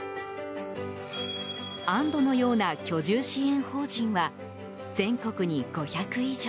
あんどのような居住支援法人は全国に５００以上。